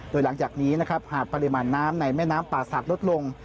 โดยหลังจากนี้นะครับหากปริมาณน้ำในแม่น้ำป่าศักดิ์ลดลง